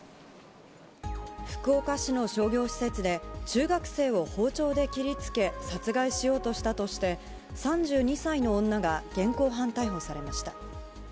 福岡市の商業施設で、中学生を包丁で切りつけ殺害しようとしたとして、３２歳の女が現行犯逮捕されました。